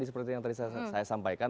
seperti yang tadi saya sampaikan